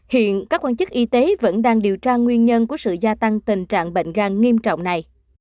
hiện các quan chức y tế vẫn đang điều tra nguyên nhân của sự gia tăng tình trạng bệnh gan nghiêm trọng này